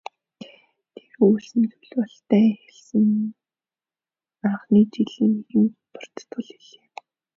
Дээр өгүүлсэн зүйл бол дайн эхэлсэн анхны жилийн нэгэн дуртгал билээ.